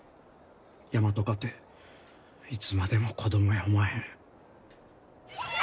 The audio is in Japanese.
大和かていつまでも子供やおまへん。